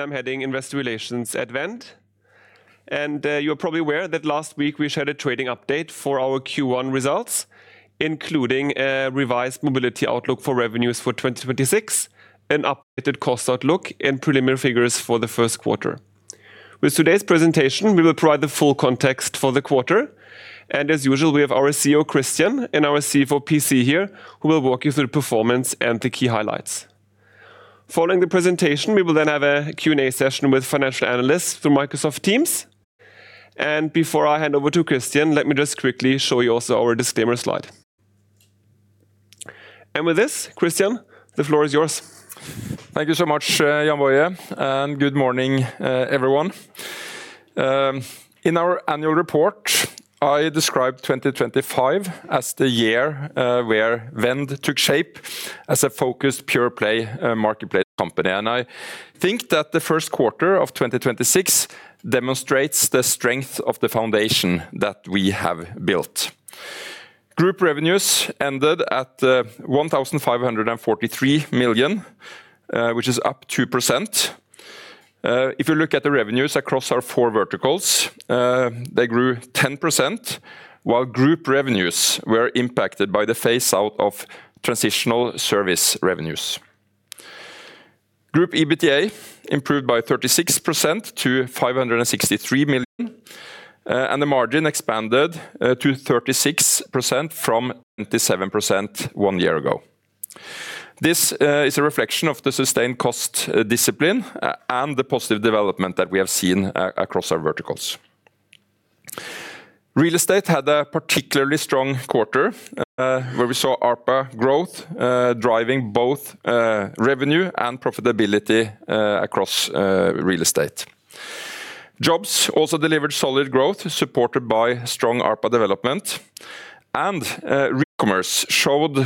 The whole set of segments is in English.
I'm heading Investor Relations at Vend. You're probably aware that last week we shared a trading update for our Q1 results, including a revised Mobility outlook for revenues for 2026, an updated cost outlook, and preliminary figures for the first quarter. With today's presentation, we will provide the full context for the quarter, and as usual, we have our CEO, Christian, and our CFO, PC here, who will walk you through the performance and the key highlights. Following the presentation, we will then have a Q&A session with financial analysts through Microsoft Teams. Before I hand over to Christian, let me just quickly show you also our disclaimer slide. With this, Christian, the floor is yours. Thank you so much, Jann-Boje, and good morning, everyone. In our annual report, I described 2025 as the year where Vend took shape as a focused pure play marketplace company. I think that the first quarter of 2026 demonstrates the strength of the foundation that we have built. Group revenues ended at 1,543 million, which is up 2%. If you look at the revenues across our four verticals, they grew 10%, while group revenues were impacted by the phase out of transitional service revenues. Group EBITDA improved by 36% to 563 million, and the margin expanded to 36% from 27% one year ago. This is a reflection of the sustained cost discipline and the positive development that we have seen across our verticals. Real Estate had a particularly strong quarter, where we saw ARPA growth driving both revenue and profitability across Real Estate. Jobs also delivered solid growth supported by strong ARPA development. Commerce showed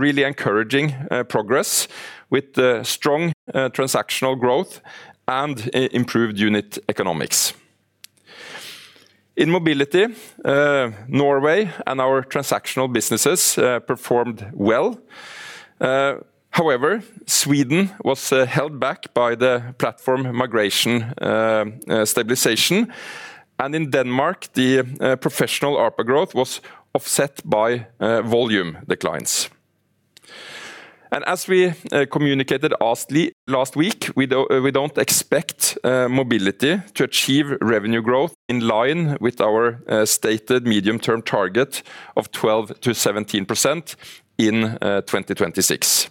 really encouraging progress with the strong transactional growth and improved unit economics. In Mobility, Norway and our transactional businesses performed well. However, Sweden was held back by the platform migration stabilization. In Denmark, the professional ARPA growth was offset by volume declines. As we communicated lastly last week, we don't expect Mobility to achieve revenue growth in line with our stated medium-term target of 12%-17% in 2026.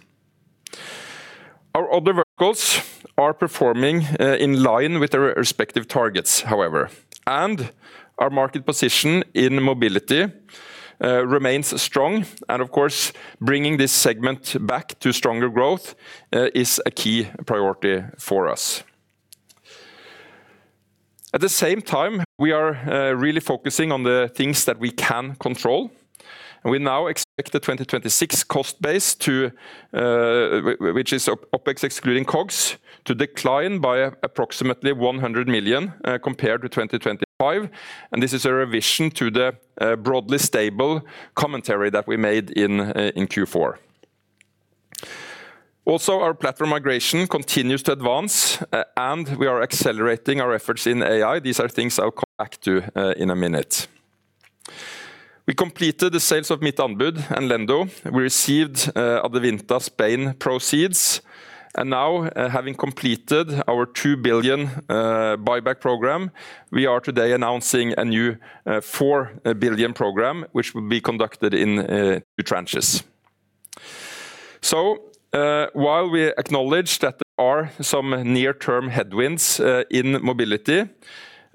Our other verticals are performing in line with their respective targets, however. Our market position in Mobility remains strong. Of course, bringing this segment back to stronger growth is a key priority for us. At the same time, we are really focusing on the things that we can control. We now expect the 2026 cost base, which is OpEx excluding COGS, to decline by approximately 100 million compared to 2025. This is a revision to the broadly stable commentary that we made in Q4. Also, our platform migration continues to advance, we are accelerating our efforts in AI. These are things I'll come back to in a minute. We completed the sales of Mittanbud and Lendo. We received Adevinta Spain proceeds. Now, having completed our 2 billion buyback program, we are today announcing a new 4 billion program, which will be conducted in two tranches. While we acknowledge that there are some near-term headwinds in Mobility,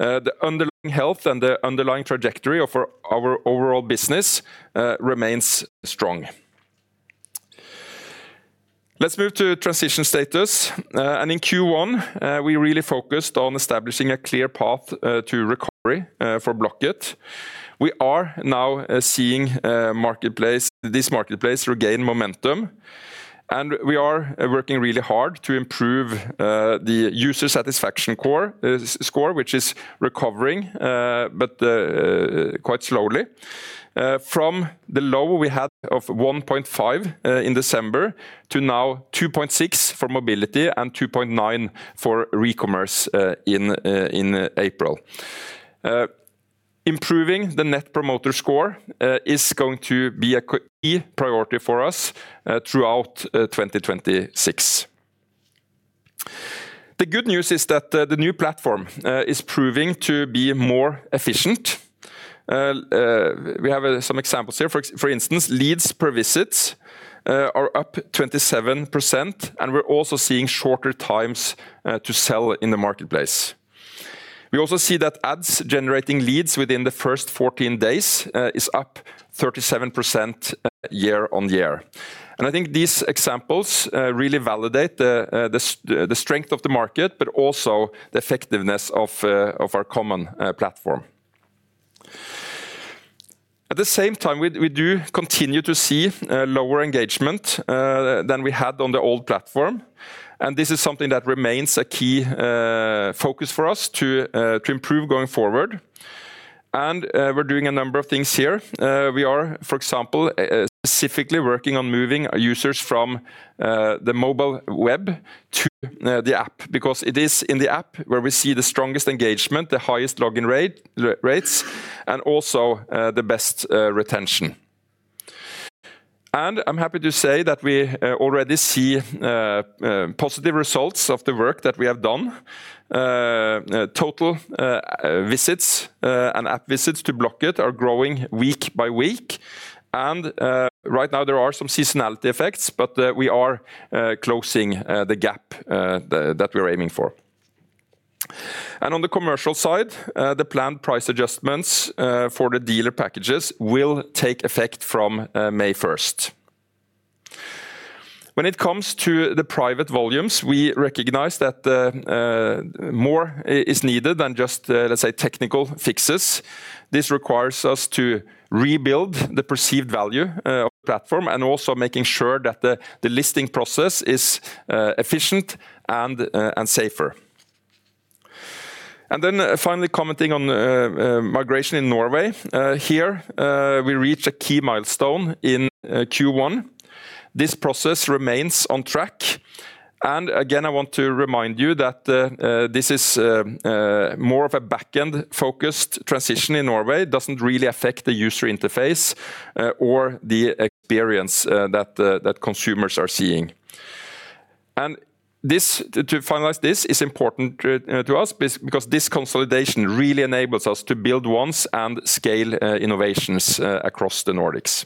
the underlying health and the underlying trajectory of our overall business remains strong. Let's move to transition status. In Q1, we really focused on establishing a clear path to recovery for Blocket. We are now seeing this marketplace regain momentum. We are working really hard to improve the user satisfaction score, which is recovering, but quite slowly. From the low we had of 1.5 in December to now 2.6 for Mobility and 2.9 for Recommerce in April. Improving the Net Promoter Score is going to be a key priority for us throughout 2026. The good news is that the new platform is proving to be more efficient. We have some examples here. For instance, leads per visit are up 27%. We are also seeing shorter times to sell in the marketplace. We also see that ads generating leads within the first 14 days is up 37% year-over-year. I think these examples really validate the strength of the market, but also the effectiveness of our common platform. At the same time, we do continue to see lower engagement than we had on the old platform, this is something that remains a key focus for us to improve going forward. We're doing a number of things here. We are, for example, specifically working on moving our users from the mobile web to the app because it is in the app where we see the strongest engagement, the highest login rates, and also the best retention. I'm happy to say that we already see positive results of the work that we have done. Total visits and app visits to Blocket are growing week by week and right now there are some seasonality effects, but we are closing the gap that we're aiming for. On the commercial side, the planned price adjustments for the dealer packages will take effect from May 1st. When it comes to the private volumes, we recognize that more is needed than just, let's say, technical fixes. This requires us to rebuild the perceived value of the platform and also making sure that the listing process is efficient and safer. Finally commenting on migration in Norway. Here, we reached a key milestone in Q1. This process remains on track. Again, I want to remind you that this is more of a backend-focused transition in Norway. It doesn't really affect the user interface or the experience that consumers are seeing. To finalize this is important to us because this consolidation really enables us to build once and scale innovations across the Nordics.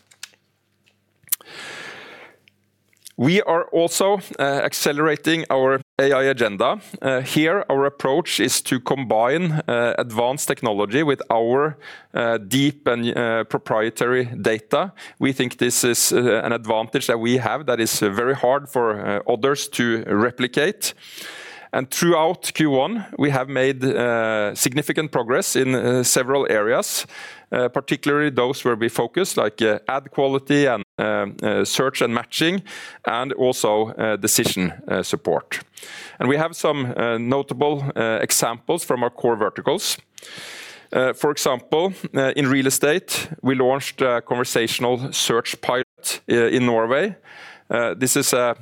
We are also accelerating our AI agenda. Here, our approach is to combine advanced technology with our deep and proprietary data. We think this is an advantage that we have that is very hard for others to replicate. Throughout Q1, we have made significant progress in several areas, particularly those where we focus, like ad quality and search and matching and also decision support. We have some notable examples from our core verticals. For example, in Real Estate, we launched a conversational search pilot in Norway. This is a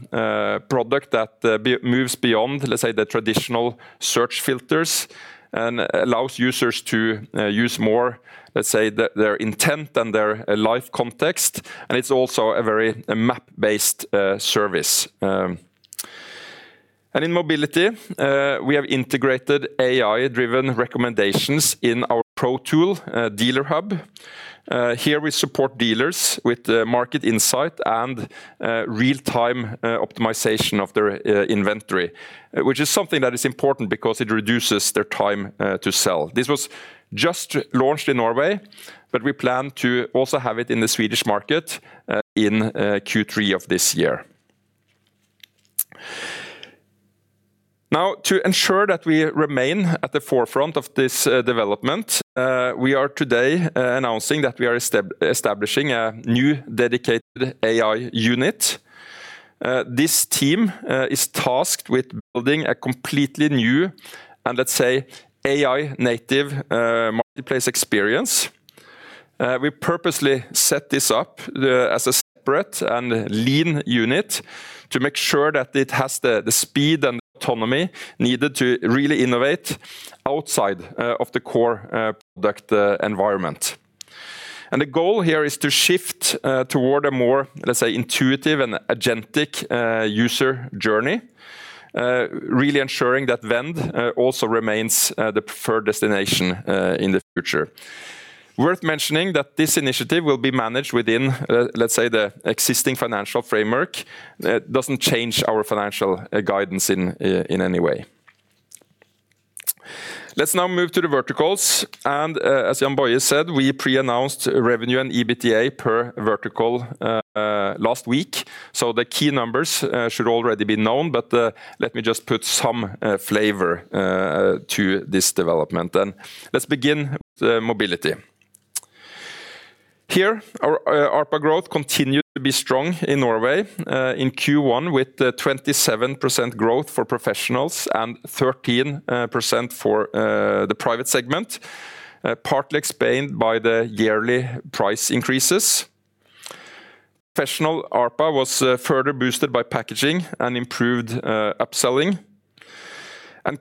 product that moves beyond, let's say, the traditional search filters and allows users to use more, let's say, their intent and their life context, and it's also a very map-based service. In Mobility, we have integrated AI-driven recommendations in our pro tool, Dealer Hub. Here we support dealers with the market insight and real-time optimization of their inventory, which is something that is important because it reduces their time to sell. This was just launched in Norway, but we plan to also have it in the Swedish market in Q3 of this year. To ensure that we remain at the forefront of this development, we are today announcing that we are establishing a new dedicated AI unit. This team is tasked with building a completely new and, let's say, AI native marketplace experience. We purposely set this up as a separate and lean unit to make sure that it has the speed and autonomy needed to really innovate outside of the core product environment. The goal here is to shift toward a more, let's say, intuitive and agentic user journey, really ensuring that Vend also remains the preferred destination in the future. Worth mentioning that this initiative will be managed within, let's say, the existing financial framework. It doesn't change our financial guidance in any way. Let's now move to the verticals, and as Jann-Boje said, we pre-announced revenue and EBITDA per vertical last week. The key numbers should already be known, but let me just put some flavor to this development. Let's begin with Mobility. Here, our ARPA growth continued to be strong in Norway in Q1 with the 27% growth for professionals and 13% for the private segment, partly explained by the yearly price increases. Professional ARPA was further boosted by packaging and improved upselling.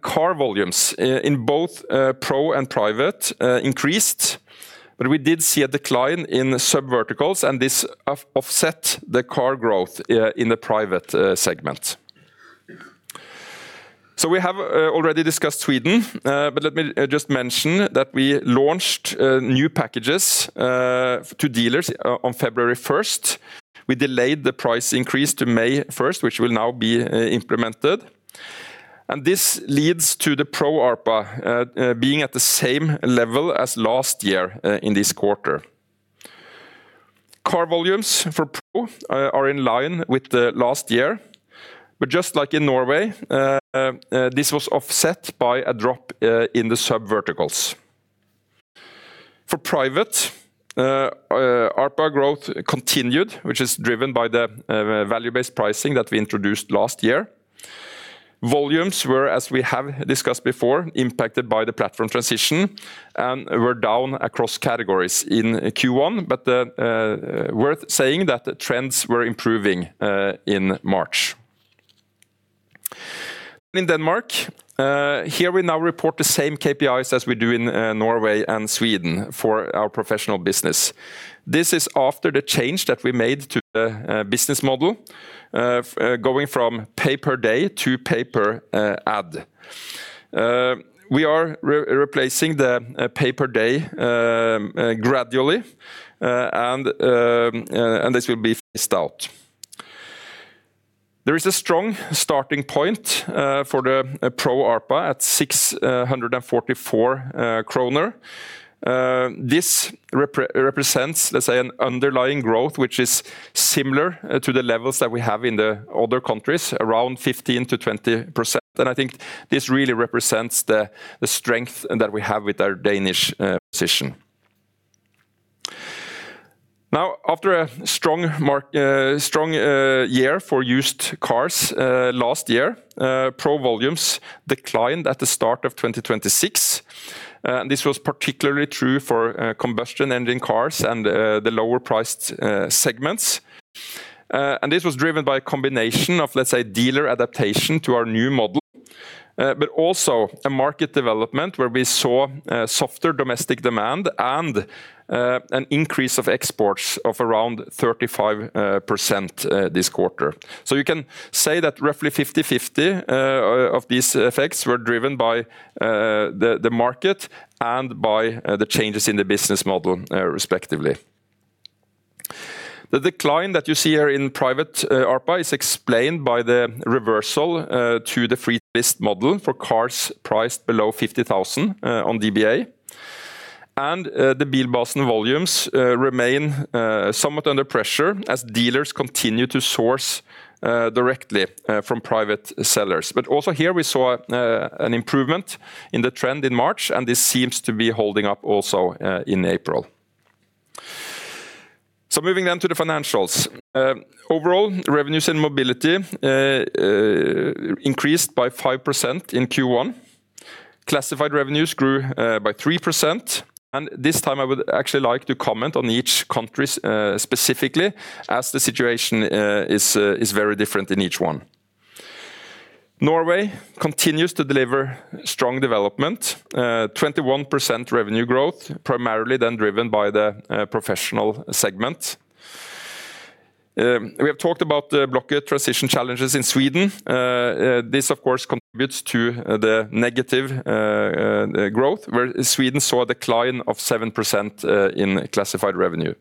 Car volumes in both pro and private increased, but we did see a decline in subverticals, and this offset the car growth in the private segment. We have already discussed Sweden, but let me just mention that we launched new packages to dealers on February 1st. We delayed the price increase to May 1st, which will now be implemented, and this leads to the pro ARPA being at the same level as last year in this quarter. Car volumes for pro are in line with the last year, but just like in Norway, this was offset by a drop in the subverticals. For private ARPA growth continued, which is driven by the value-based pricing that we introduced last year. Volumes were, as we have discussed before, impacted by the platform transition and were down across categories in Q1. Worth saying that the trends were improving in March. In Denmark, here we now report the same KPIs as we do in Norway and Sweden for our professional business. This is after the change that we made to the business model, going from pay per day to pay per ad. We are re-replacing the pay per day gradually, and this will be phased out. There is a strong starting point for the pro ARPA at 644 kroner. This represents, let's say an underlying growth, which is similar to the levels that we have in the other countries, around 15%-20%. I think this really represents the strength that we have with our Danish position. Now, after a strong year for used cars last year, Pro volumes declined at the start of 2026. This was particularly true for combustion engine cars and the lower priced segments. This was driven by a combination of, let's say, dealer adaptation to our new model, but also a market development where we saw softer domestic demand and an increase of exports of around 35% this quarter. You can say that roughly 50/50 of these effects were driven by the market and by the changes in the business model, respectively. The decline that you see here in private ARPA is explained by the reversal to the free list model for cars priced below 50,000 on DBA. The Bilbasen volumes remain somewhat under pressure as dealers continue to source directly from private sellers. Also here we saw an improvement in the trend in March, and this seems to be holding up also in April. Moving on to the financials. Overall revenues and Mobility increased by 5% in Q1. Classified revenues grew by 3%. This time I would actually like to comment on each countries specifically as the situation is very different in each one. Norway continues to deliver strong development, 21% revenue growth, primarily then driven by the professional segment. We have talked about the Blocket transition challenges in Sweden. This of course, contributes to the negative growth, where Sweden saw a decline of 7% in classified revenue.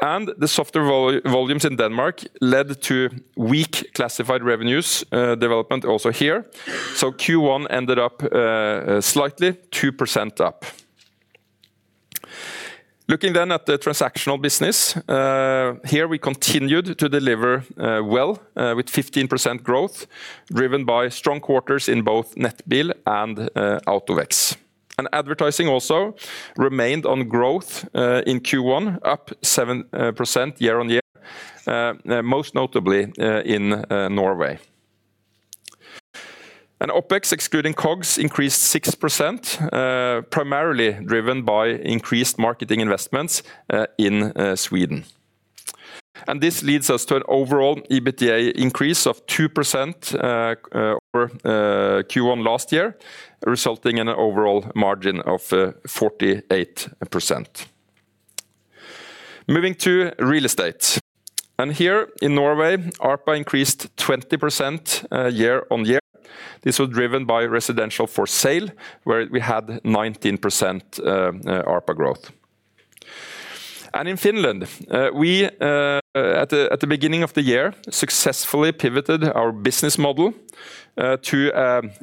The softer volumes in Denmark led to weak classified revenues development also here. Q1 ended up slightly 2% up. Looking then at the transactional business, here we continued to deliver well, with 15% growth, driven by strong quarters in both Nettbil and AutoVex. Advertising also remained on growth in Q1, up 7% year-on-year, most notably in Norway. OpEx, excluding COGS, increased 6%, primarily driven by increased marketing investments in Sweden. This leads us to an overall EBITDA increase of 2% over Q1 last year, resulting in an overall margin of 48%. Moving to Real Estate, here in Norway, ARPA increased 20% year-on-year. This was driven by residential for sale, where we had 19% ARPA growth. In Finland, we at the beginning of the year successfully pivoted our business model to,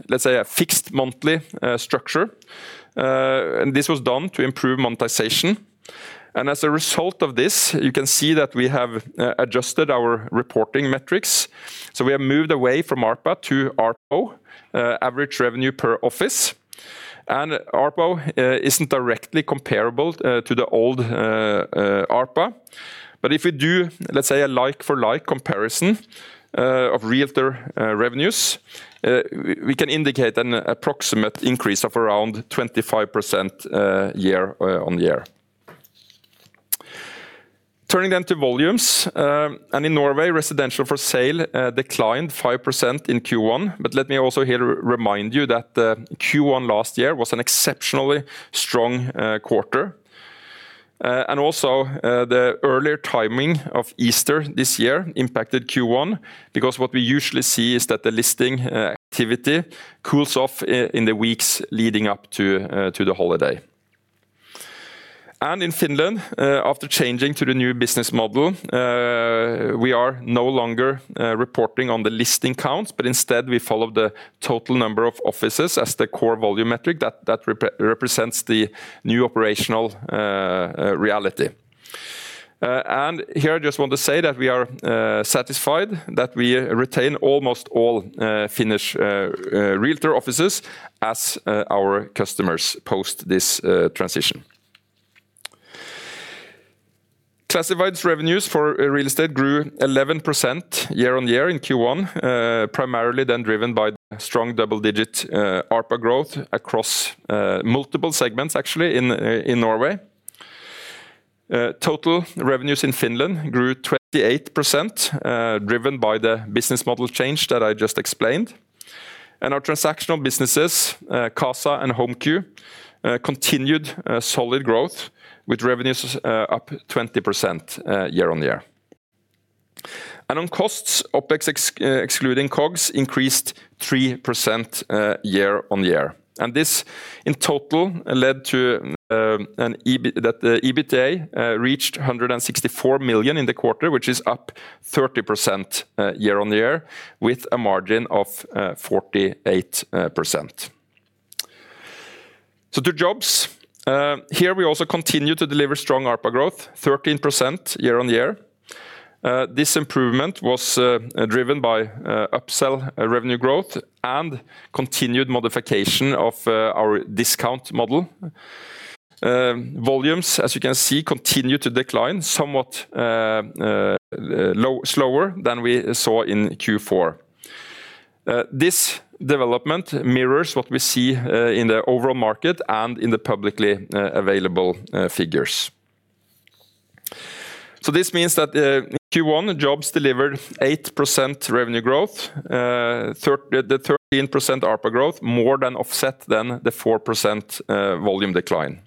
let's say, a fixed monthly structure. This was done to improve monetization. As a result of this, you can see that we have adjusted our reporting metrics. We have moved away from ARPA to ARPO, Average Revenue Per Office. ARPO isn't directly comparable to the old ARPA. If we do, let's say a like for like comparison of realtor revenues, we can indicate an approximate increase of around 25% year-on-year. Turning to volumes, in Norway, residential for sale declined 5% in Q1. Let me also here remind you that the Q1 last year was an exceptionally strong quarter. Also, the earlier timing of Easter this year impacted Q1, because what we usually see is that the listing activity cools off in the weeks leading up to the holiday. In Finland, after changing to the new business model, we are no longer reporting on the listing counts, but instead we follow the total number of offices as the core volume metric that represents the new operational reality. Here, I just want to say that we are satisfied that we retain almost all Finnish realtor offices as our customers post this transition. Classifieds revenues for Real Estate grew 11% year-on-year in Q1, primarily then driven by strong double-digit ARPA growth across multiple segments actually in Norway. Total revenues in Finland grew 28%, driven by the business model change that I just explained. Our transactional businesses, Casa and HomeQ, continued solid growth with revenues up 20% year-on-year. On costs, OpEx excluding COGS increased 3% year-on-year. This in total led to that the EBITDA reached 164 million in the quarter, which is up 30% year-on-year with a margin of 48%. To Jobs, here we also continue to deliver strong ARPA growth, 13% year-on-year. This improvement was driven by upsell revenue growth and continued modification of our discount model. Volumes, as you can see, continue to decline somewhat slower than we saw in Q4. This development mirrors what we see in the overall market and in the publicly available figures. This means that Q1 Jobs delivered 8% revenue growth. The 13% ARPA growth more than offset the 4% volume decline.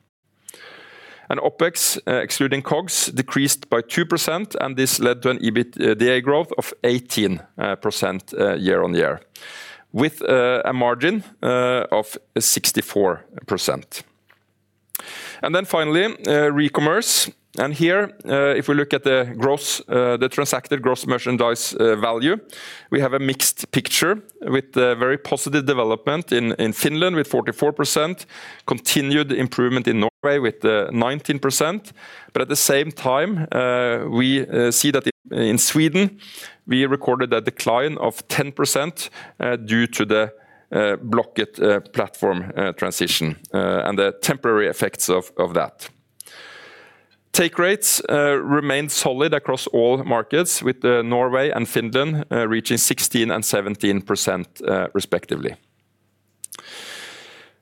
OpEx, excluding COGS, decreased by 2%, and this led to an EBITDA growth of 18% year-on-year with a margin of 64%. Finally, Recommerce. Here, if we look at the gross, the transacted gross merchandise value, we have a mixed picture with a very positive development in Finland with 44%, continued improvement in Norway with 19%. At the same time, we see that in Sweden we recorded a decline of 10% due to the Blocket platform transition and the temporary effects of that. Take rates remained solid across all markets with Norway and Finland reaching 16% and 17% respectively.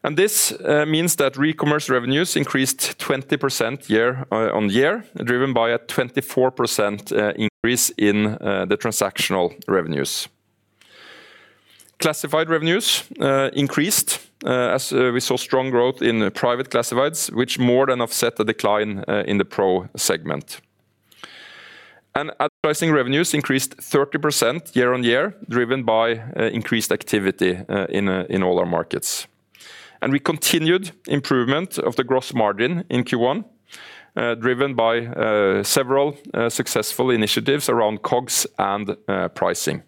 This means that Recommerce revenues increased 20% year-on-year, driven by a 24% increase in the transactional revenues. Classified revenues increased as we saw strong growth in private classifieds, which more than offset the decline in the pro segment. Advertising revenues increased 30% year-on-year, driven by increased activity in all our markets. We continued improvement of the gross margin in Q1, driven by several successful initiatives around COGS and pricing.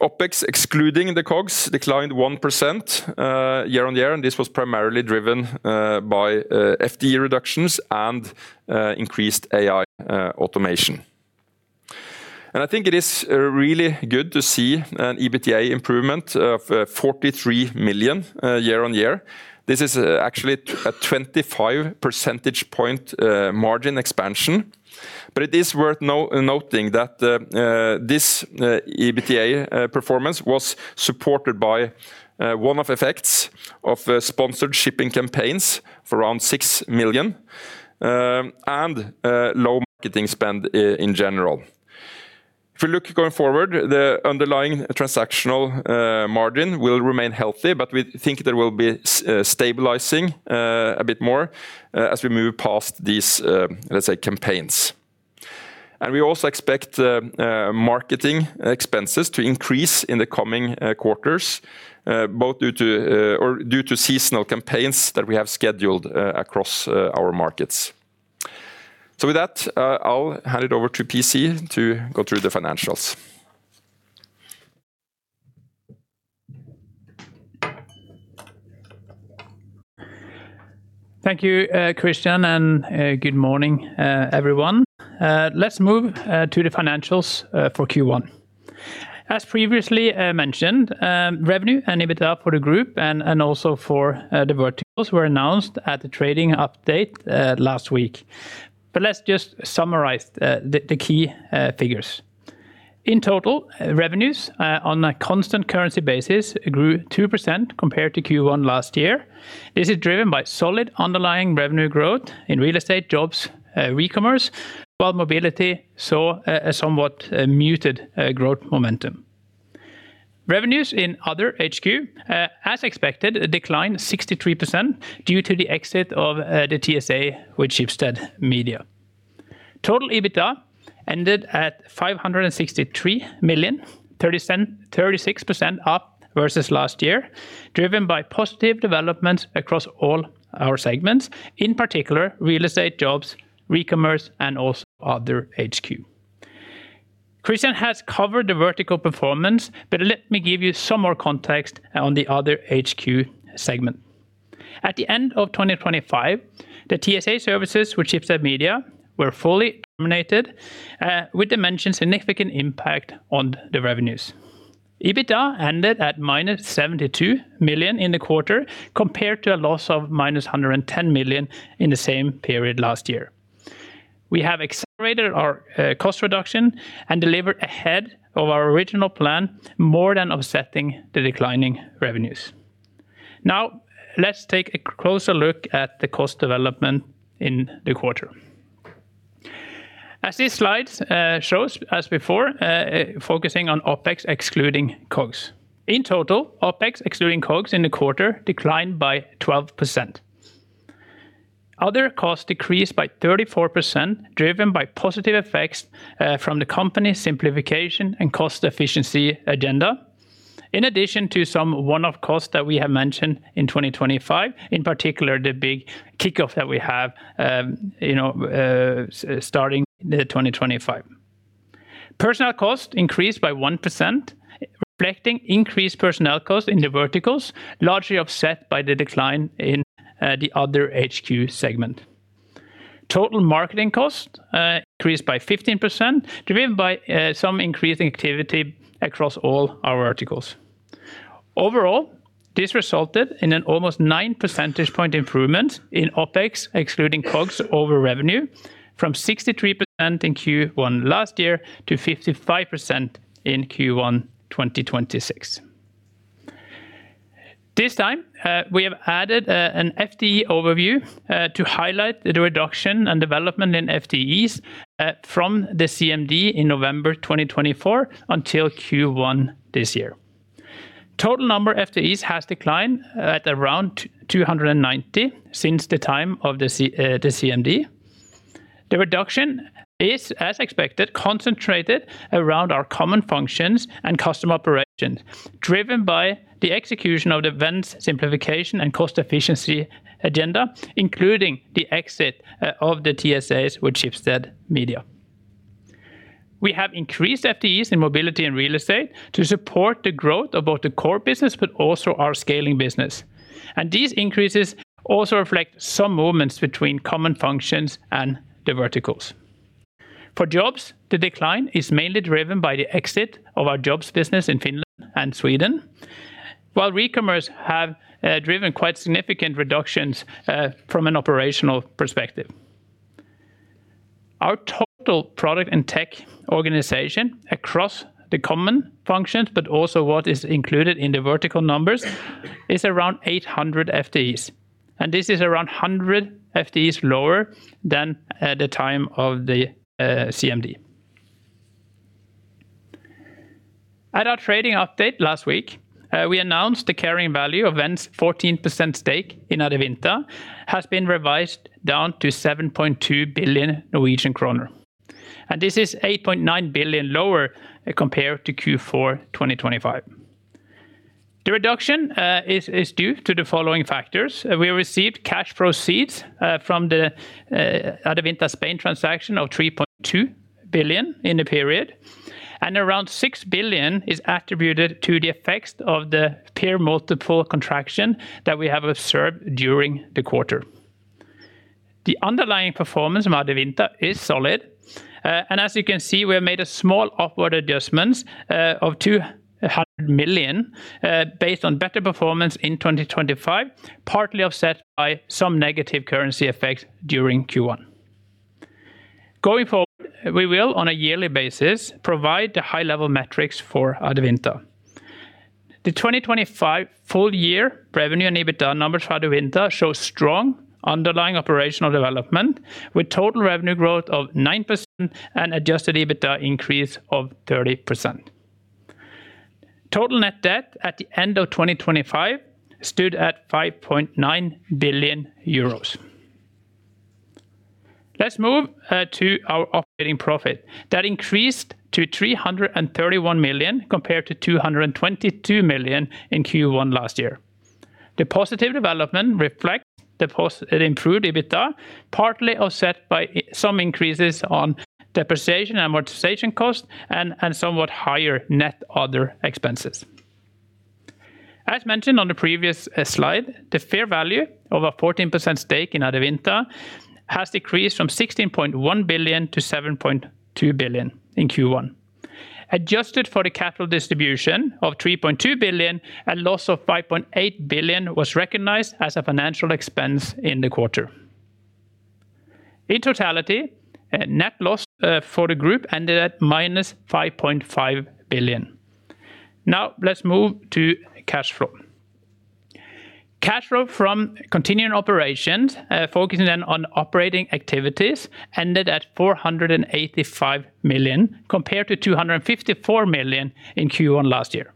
OpEx excluding the COGS declined 1% year-on-year, this was primarily driven by FTE reductions and increased AI automation. I think it is really good to see an EBITDA improvement of 43 million year-on-year. This is actually a 25 percentage point margin expansion. It is worth noting that this EBITDA performance was supported by one-off effects of sponsored shipping campaigns for around 6 million and low marketing spend in general. If we look going forward, the underlying transactional margin will remain healthy, but we think that we'll be stabilizing a bit more as we move past these, let's say, campaigns. We also expect marketing expenses to increase in the coming quarters, due to seasonal campaigns that we have scheduled across our markets. With that, I'll hand it over to PC to go through the financials. Thank you, Christian, and good morning, everyone. Let's move to the financials for Q1. As previously mentioned, revenue and EBITDA for the group and also for the verticals were announced at the trading update last week. Let's just summarize the key figures. In total, revenues on a constant currency basis grew 2% compared to Q1 last year. This is driven by solid underlying revenue growth in Real Estate, Jobs, Recommerce, while Mobility saw a somewhat muted growth momentum. Revenues in Other HQ, as expected, declined 63% due to the exit of the TSA with Schibsted Media. Total EBITDA ended at 563 million, 36% up versus last year, driven by positive developments across all our segments, in particular Real Estate, Jobs, Recommerce, and also Other HQ. Christian has covered the vertical performance, but let me give you some more context on the Other HQ segment. At the end of 2025, the TSA services with Schibsted Media were fully terminated, with dimensions significant impact on the revenues. EBITDA ended at -72 million in the quarter compared to a loss of -110 million in the same period last year. We have accelerated our cost reduction and delivered ahead of our original plan, more than offsetting the declining revenues. Let's take a closer look at the cost development in the quarter. As this slide shows as before, focusing on OpEx excluding COGS. In total, OpEx excluding COGS in the quarter declined by 12%. Other costs decreased by 34%, driven by positive effects from the company simplification and cost efficiency agenda. In addition to some one-off costs that we have mentioned in 2025, in particular, the big kickoff that we have, you know, starting in 2025. Personnel costs increased by 1%, reflecting increased personnel costs in the verticals, largely offset by the decline in the Other HQ segment. Total marketing costs increased by 15%, driven by some increasing activity across all our verticals. Overall, this resulted in an almost 9 percentage point improvement in OpEx excluding COGS over revenue from 63% in Q1 last year to 55% in Q1 2026. This time, we have added an FTE overview to highlight the reduction and development in FTEs from the CMD in November 2024 until Q1 this year. Total number FTEs has declined at around 290 since the time of the CMD. The reduction is, as expected, concentrated around our common functions and customer operations, driven by the execution of the Vend's simplification and cost efficiency agenda, including the exit of the TSAs with Schibsted Media. We have increased FTEs in Mobility and Real Estate to support the growth of both the core business but also our scaling business. These increases also reflect some movements between common functions and the verticals. For Jobs, the decline is mainly driven by the exit of our Jobs business in Finland and Sweden, while Recommerce have driven quite significant reductions from an operational perspective. Our total product and tech organization across the common functions, but also what is included in the vertical numbers, is around 800 FTEs. This is around 100 FTEs lower than at the time of the CMD. At our trading update last week, we announced the carrying value of Vend's 14% stake in Adevinta has been revised down to 7.2 billion Norwegian kroner. This is 8.9 billion lower compared to Q4 2025. The reduction is due to the following factors. We received cash proceeds from the Adevinta Spain transaction of 3.2 billion in the period, and around 6 billion is attributed to the effects of the peer multiple contraction that we have observed during the quarter. The underlying performance from Adevinta is solid. As you can see, we have made a small upward adjustments of 200 million based on better performance in 2025, partly offset by some negative currency effects during Q1. Going forward, we will, on a yearly basis, provide the high-level metrics for Adevinta. The 2025 full year revenue and EBITDA numbers for Adevinta show strong underlying operational development, with total revenue growth of 9% and adjusted EBITDA increase of 30%. Total net debt at the end of 2025 stood at 5.9 billion euros. Let's move to our operating profit. That increased to 331 million compared to 222 million in Q1 last year. The positive development reflects the improved EBITDA, partly offset by some increases on depreciation and amortization costs and somewhat higher net other expenses. As mentioned on the previous slide, the fair value of a 14% stake in Adevinta has decreased from 16.1 billion to 7.2 billion in Q1. Adjusted for the capital distribution of 3.2 billion, a loss of 5.8 billion was recognized as a financial expense in the quarter. In totality, a net loss for the group ended at -5.5 billion. Now let's move to cash flow. Cash flow from continuing operations, focusing then on operating activities ended at 485 million compared to 254 million in Q1 last year.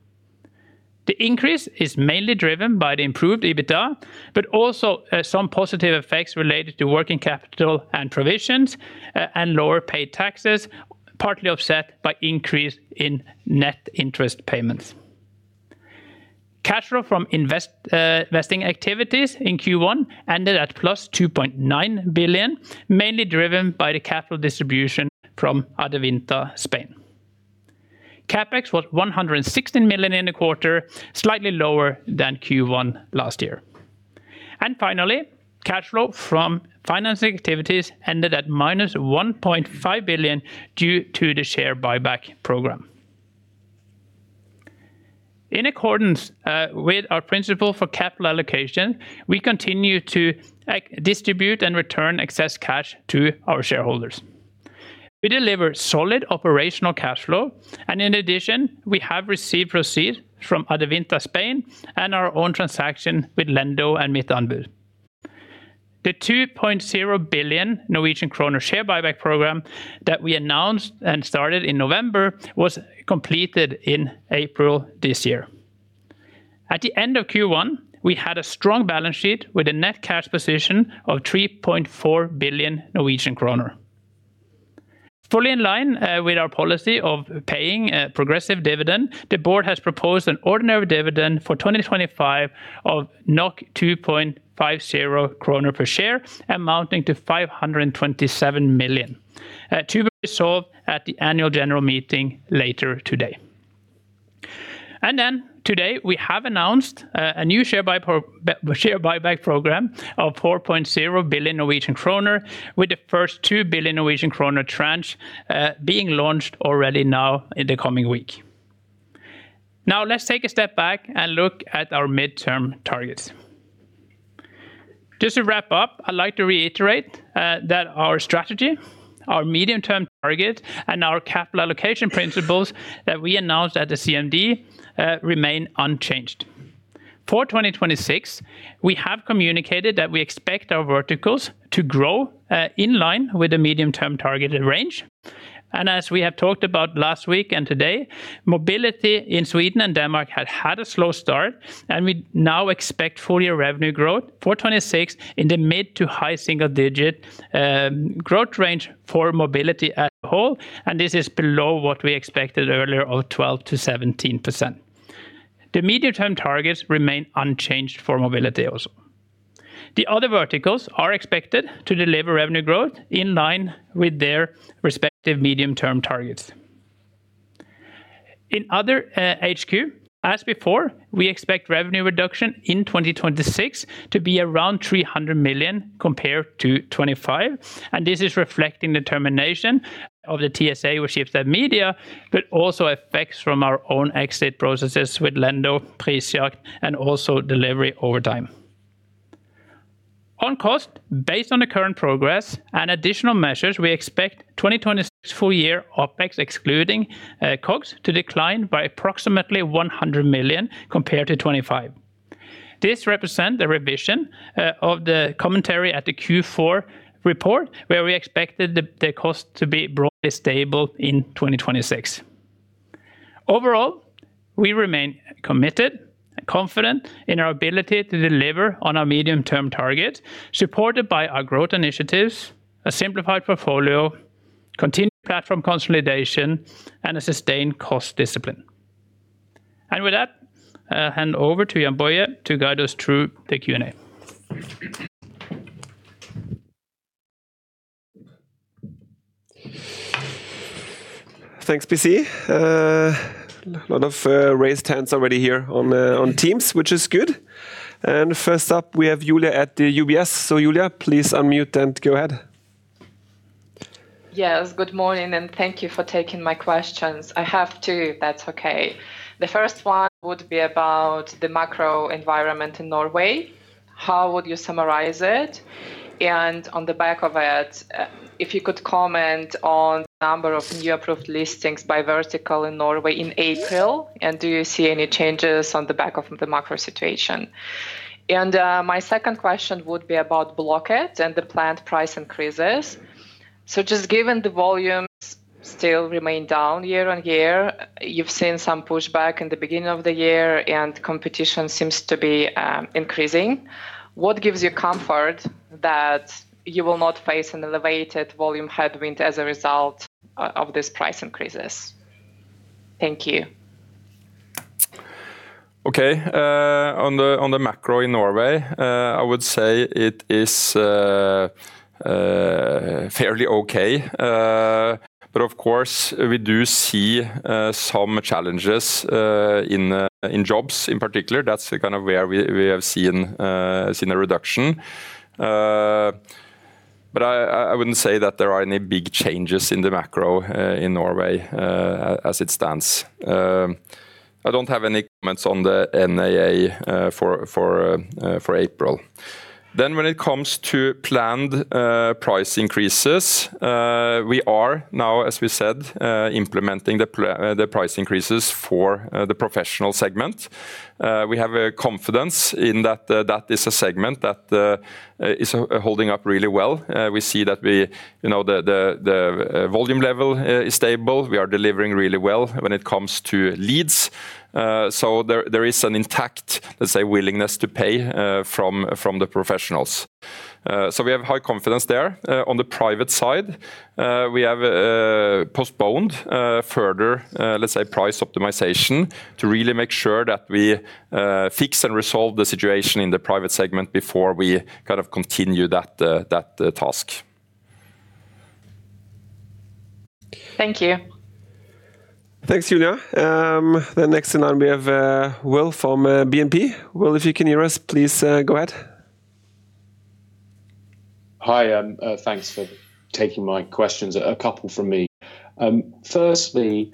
The increase is mainly driven by the improved EBITDA, but also, some positive effects related to working capital and provisions, and lower paid taxes, partly offset by increase in net interest payments. Cash flow from investing activities in Q1 ended at +2.9 billion, mainly driven by the capital distribution from Adevinta Spain. CapEx was 116 million in the quarter, slightly lower than Q1 last year. Finally, cash flow from financing activities ended at -1.5 billion due to the share buyback program. In accordance, with our principle for capital allocation, we continue to distribute and return excess cash to our shareholders. We deliver solid operational cash flow. In addition, we have received proceeds from Adevinta Spain and our own transaction with Lendo and Mittanbud. The 2.0 billion Norwegian kroner share buyback program that we announced and started in November was completed in April this year. At the end of Q1, we had a strong balance sheet with a net cash position of 3.4 billion Norwegian kroner. Fully in line with our policy of paying a progressive dividend, the board has proposed an ordinary dividend for 2025 of 2.50 kroner per share, amounting to 527 million, to be resolved at the Annual General Meeting later today. Today, we have announced a new share buyback program of 4.0 billion Norwegian kroner, with the first 2 billion Norwegian kroner tranche being launched already now in the coming week. Let's take a step back and look at our midterm targets. Just to wrap up, I'd like to reiterate that our strategy, our medium-term target, and our capital allocation principles that we announced at the CMD remain unchanged. For 2026, we have communicated that we expect our verticals to grow in line with the medium-term targeted range. As we have talked about last week and today, Mobility in Sweden and Denmark had a slow start, and we now expect full-year revenue growth for 2026 in the mid-to-high single-digit growth range for Mobility as a whole, and this is below what we expected earlier of 12%-17%. The medium-term targets remain unchanged for Mobility also. The other verticals are expected to deliver revenue growth in line with their respective medium-term targets. In other HQ, as before, we expect revenue reduction in 2026 to be around 300 million compared to 2025. This is reflecting the termination of the TSA with Schibsted Media, but also effects from our own exit processes with Lendo, Prisjakt, and also delivery over time. On cost, based on the current progress and additional measures, we expect 2026 full-year OpEx excluding COGS to decline by approximately 100 million compared to 2025. This represent a revision of the commentary at the Q4 report, where we expected the cost to be broadly stable in 2026. Overall, we remain committed and confident in our ability to deliver on our medium-term target, supported by our growth initiatives, a simplified portfolio, continued platform consolidation, and a sustained cost discipline. With that, I'll hand over to Jann-Boje to guide us through the Q&A. Thanks, PC. Lot of raised hands already here on Teams, which is good. First up, we have Julia at the UBS. Julia, please unmute and go ahead. Yes. Good morning. Thank you for taking my questions. I have two, if that's okay. The first one would be about the macro environment in Norway. How would you summarize it? On the back of it, if you could comment on the number of new approved listings by vertical in Norway in April, and do you see any changes on the back of the macro situation? My second question would be about Blocket and the planned price increases. Just given the volumes still remain down year-over-year, you've seen some pushback in the beginning of the year, and competition seems to be increasing. What gives you comfort that you will not face an elevated volume headwind as a result of these price increases? Thank you. Okay. On the macro in Norway, I would say it is fairly okay. Of course, we do see some challenges in Jobs in particular. That's kind of where we have seen a reduction. I wouldn't say that there are any big changes in the macro in Norway as it stands. I don't have any comments on the NAA for April. When it comes to planned price increases, we are now, as we said, implementing the price increases for the professional segment. We have a confidence in that is a segment that is holding up really well. We see that, you know, the volume level is stable. We are delivering really well when it comes to leads. There is an intact, let's say, willingness to pay from the professionals. We have high confidence there. On the private side, we have postponed further, let's say, price optimization to really make sure that we fix and resolve the situation in the private segment before we kind of continue that, task. Thank you. Thanks, Julia. Next in line we have Will from BNP. Will, if you can hear us, please go ahead. Hi, thanks for taking my questions. A couple from me. Firstly,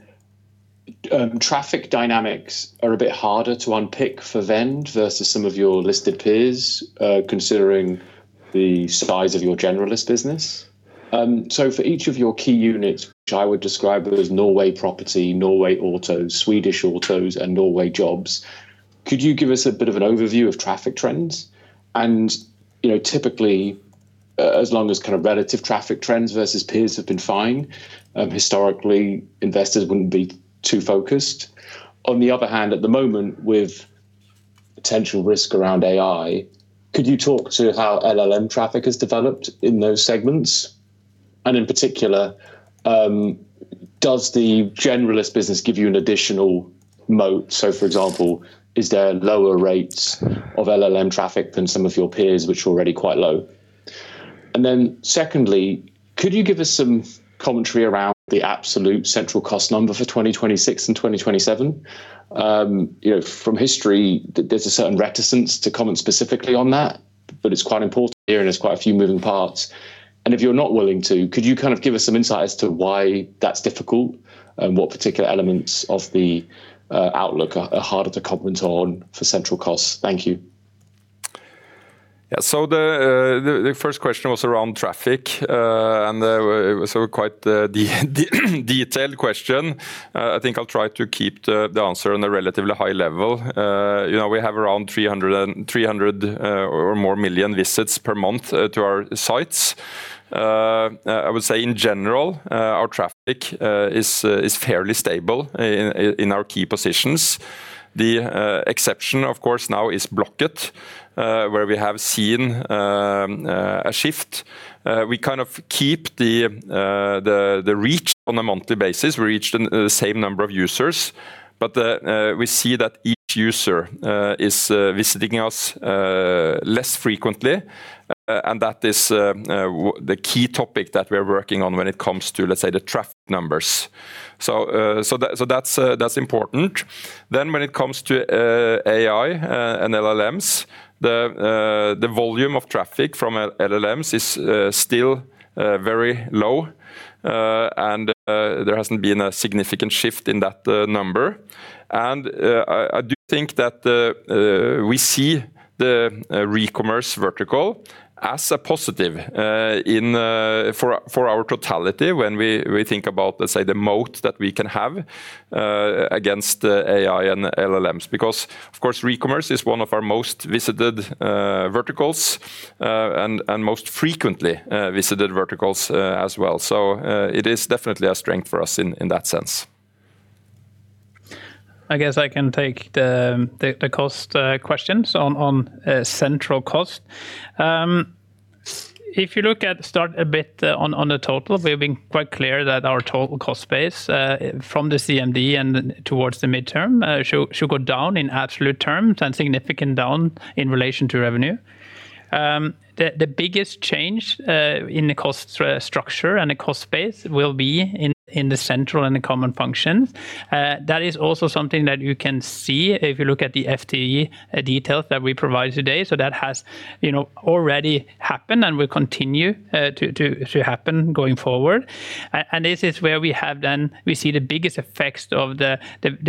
traffic dynamics are a bit harder to unpick for Vend versus some of your listed peers, considering the size of your generalist business. For each of your key units, which I would describe as Norway Property, Norway Autos, Swedish Autos, and Norway Jobs, could you give us a bit of an overview of traffic trends? You know, typically, as long as kind of relative traffic trends versus peers have been fine, historically investors wouldn't be too focused. On the other hand, at the moment, with potential risk around AI, could you talk to how LLM traffic has developed in those segments? In particular, does the generalist business give you an additional moat? For example, is there lower rates of LLM traffic than some of your peers, which are already quite low? Secondly, could you give us some commentary around the absolute central cost number for 2026 and 2027? You know, from history, there's a certain reticence to comment specifically on that, but it's quite important here, and there's quite a few moving parts. If you're not willing to, could you kind of give us some insight as to why that's difficult and what particular elements of the outlook are harder to comment on for central costs? Thank you. Yeah. The first question was around traffic. Quite the detailed question. I think I'll try to keep the answer on a relatively high level. You know, we have around 300 million visits per month to our sites. I would say in general, our traffic is fairly stable in our key positions. The exception of course now is Blocket, where we have seen a shift. We kind of keep the reach on a monthly basis. We reach the same number of users. We see that each user is visiting us less frequently. That is the key topic that we're working on when it comes to, let's say, the traffic numbers. That's important. When it comes to AI and LLMs, the volume of traffic from LLMs is still very low. There hasn't been a significant shift in that number. I do think that we see the Recommerce vertical as a positive in for our totality when we think about, let's say, the moat that we can have against the AI and LLMs. Of course, Recommerce is one of our most visited verticals and most frequently visited verticals as well. It is definitely a strength for us in that sense. I guess I can take the cost questions on central cost. If you look at start a bit on the total, we've been quite clear that our total cost base from the CMD and towards the midterm should go down in absolute terms and significant down in relation to revenue. The biggest change in the cost structure and the cost base will be in the central and the common functions. That is also something that you can see if you look at the FTE details that we provide today. That has, you know, already happened and will continue to happen going forward. This is where we have then we see the biggest effects of the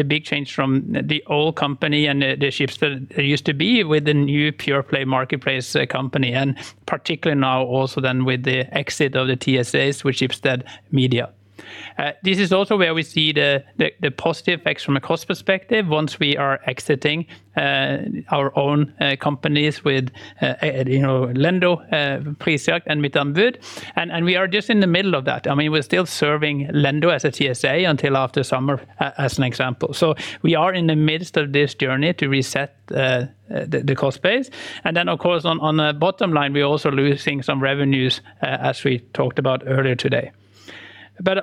big change from the old company and the Schibsted used to be with the new pure play marketplace company, and particularly now also then with the exit of the TSAs with Schibsted Media. This is also where we see the positive effects from a cost perspective once we are exiting our own companies with, you know, Lendo, Prisjakt, and Mittanbud. We are just in the middle of that. I mean, we're still serving Lendo as a TSA until after summer, as an example. We are in the midst of this journey to reset the cost base. Of course, on the bottom line, we're also losing some revenues, as we talked about earlier today.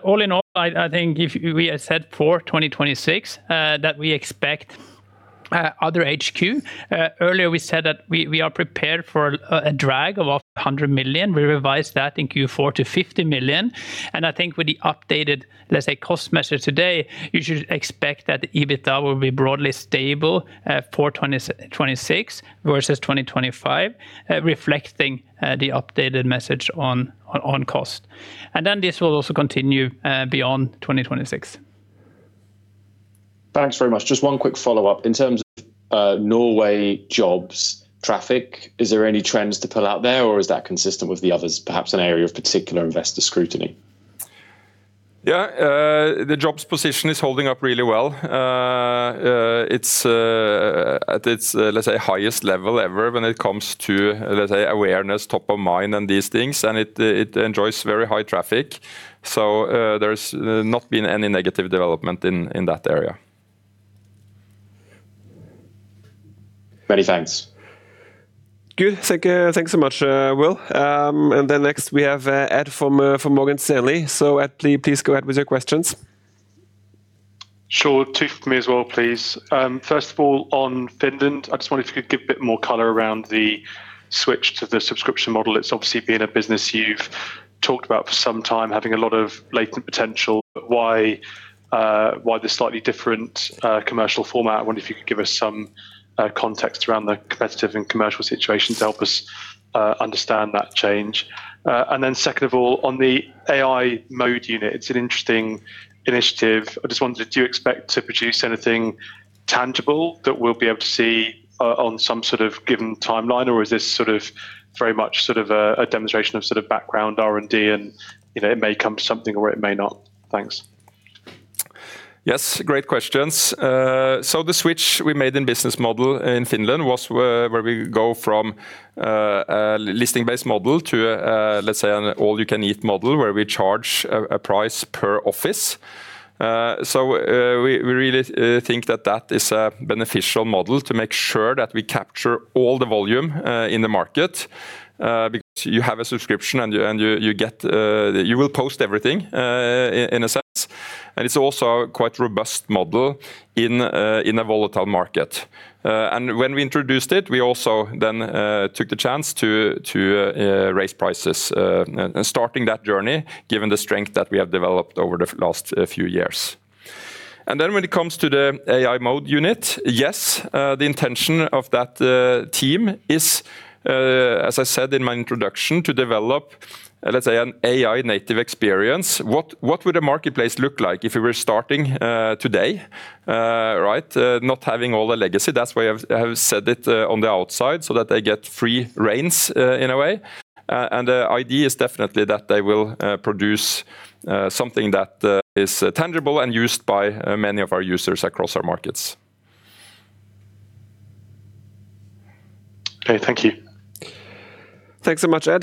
All in all, I think if we have said for 2026 that we expect Other HQ. Earlier we said that we are prepared for a drag of 100 million. We revised that in Q4 to 50 million. I think with the updated, let's say, cost measure today, you should expect that the EBITDA will be broadly stable for 2026 versus 2025, reflecting the updated message on cost. This will also continue beyond 2026. Thanks very much. Just one quick follow-up. In terms of Norway Jobs traffic, is there any trends to pull out there, or is that consistent with the others, perhaps an area of particular investor scrutiny? Yeah. The Jobs position is holding up really well. It's at its, let's say, highest level ever when it comes to, let's say, awareness, top of mind, and these things, and it enjoys very high traffic. There's not been any negative development in that area. Many thanks. Good. Thanks so much, Will. Next we have Ed from Morgan Stanley. Ed, please go ahead with your questions. Sure. Two from me as well, please. First of all, on Finland, I just wonder if you could give a bit more color around the switch to the subscription model. It's obviously been a business you've talked about for some time, having a lot of latent potential. Why the slightly different commercial format? I wonder if you could give us some context around the competitive and commercial situations to help us understand that change. Second of all, on the AI mode unit, it's an interesting initiative. I just wondered, do you expect to produce anything tangible that we'll be able to see on some sort of given timeline, or is this sort of very much sort of a demonstration of sort of background R&D and, you know, it may come to something or it may not? Thanks. Yes. Great questions. The switch we made in business model in Finland was where we go from a listing-based model to, let's say, an all-you-can-eat model where we charge a price per office. We really think that that is a beneficial model to make sure that we capture all the volume in the market. Because you have a subscription and you get, you will post everything in a sense, and it's also a quite robust model in a volatile market. When we introduced it, we also then took the chance to raise prices and starting that journey given the strength that we have developed over the last few years. When it comes to the AI mode unit, yes, the intention of that team is, as I said in my introduction, to develop, let's say, an AI native experience. What would a marketplace look like if it were starting today, right? Not having all the legacy. That's why I have set it on the outside so that they get free reins, in a way. The idea is definitely that they will produce something that is tangible and used by many of our users across our markets. Okay. Thank you. Thanks so much, Ed.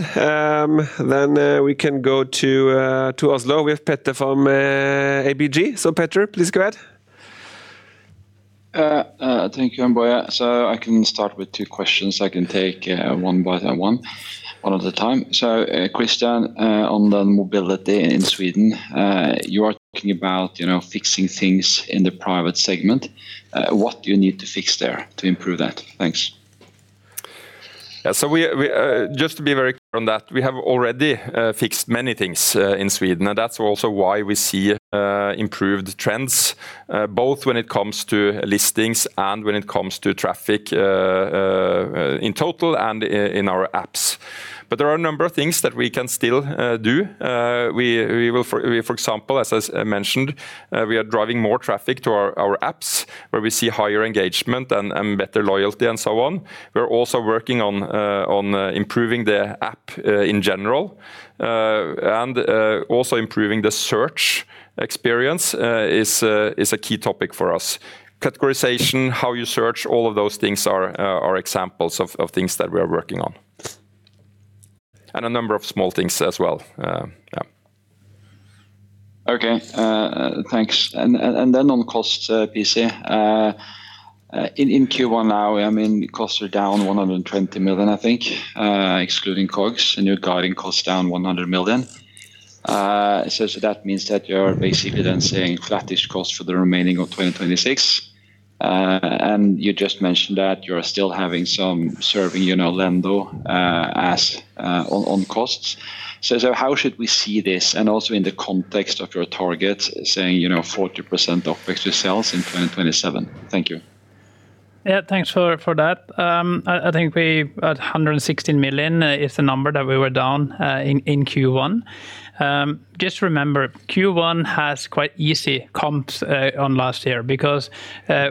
We can go to Oslo. We have Petter from ABG. Petter, please go ahead. Thank you, Jann-Boje. I can start with two questions. I can take one by one at a time. Christian, on the Mobility in Sweden, you are talking about, you know, fixing things in the private segment. What do you need to fix there to improve that? Thanks. Yeah. Just to be very clear on that, we have already fixed many things in Sweden. That's also why we see improved trends both when it comes to listings and when it comes to traffic in total and in our apps. There are a number of things that we can still do. We, for example, as mentioned, we are driving more traffic to our apps where we see higher engagement and better loyalty and so on. We're also working on improving the app in general. Also improving the search experience is a key topic for us. Categorization, how you search, all of those things are examples of things that we are working on, and a number of small things as well. Okay. Thanks. Then on costs, PC. In Q1 now, I mean, costs are down 120 million, I think, excluding COGS, and you're guiding costs down 100 million. That means that you're basically then saying flattish cost for the remaining of 2026. You just mentioned that you're still having some serving, you know, Lendo, as on costs. How should we see this and also in the context of your targets saying, you know, 40% of extra sales in 2027? Thank you. Thanks for that. At 116 million is the number that we were down in Q1. Just remember, Q1 has quite easy comps on last year because